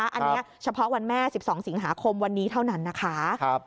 อันนี้เฉพาะวันแม่๑๒สิงหาคมวันนี้เท่านั้นนะคะ